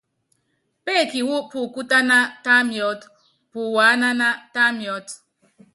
Péeki wú pukútáná, tá miɔ́t, puwaánáná, tá miɔ́t.